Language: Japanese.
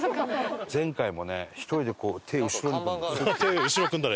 前回もね１人でこう手後ろに組んで。